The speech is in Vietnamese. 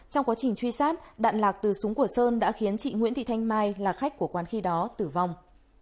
trong quá trình truy sát đạn lạc từ súng của sơn đã khiến chị nguyễn thị thanh mai là khách của quán khi đó tử vong